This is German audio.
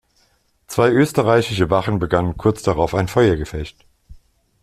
Zwei österreichische Wachen begannen kurz darauf ein Feuergefecht.